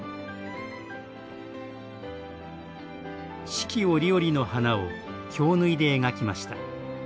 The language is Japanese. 四季折々の花を京繍で描きました。